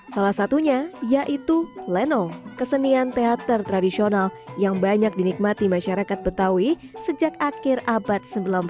salah satunya yaitu lenong kesenian teater tradisional yang banyak dinikmati masyarakat betawi sejak akhir abad sembilan belas